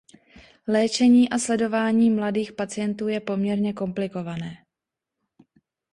Léčení a sledování mladých pacientů je poměrně komplikované.